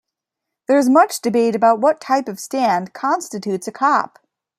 There is much debate about what type of stand constitutes a Kop.